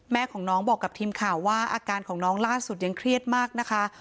แม่ของน้องบอกกับทีมข่าวว่าอาการของน้องล่าสุดยังเครียดมากนะคะ